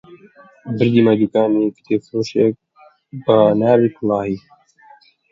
بردمیە دووکانی کتێبفرۆشێک بە ناوی کولاهی